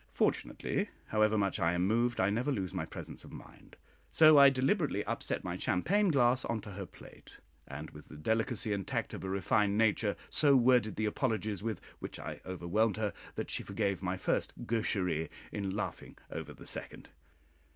Fortunately, however much I am moved, I never lose my presence of mind; so I deliberately upset my champagne glass into her plate, and, with the delicacy and tact of a refined nature, so worded the apologies with, which I overwhelmed her, that she forgave my first gaucherie in laughing over the second.